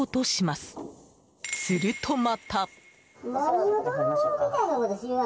すると、また。